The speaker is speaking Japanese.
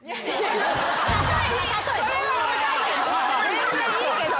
全然いいけど。